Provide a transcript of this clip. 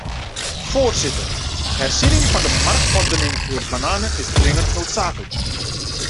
Voorzitter, herziening van de marktordening voor bananen is dringend noodzakelijk.